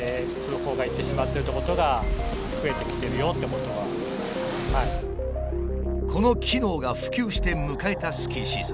その辺でこの機能が普及して迎えたスキーシーズン。